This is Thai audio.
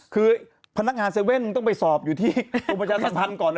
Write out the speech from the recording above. คือพนักงาน๗๑๑ต้องไปสอบอยู่ที่กรมประชาสัมพันธ์ก่อน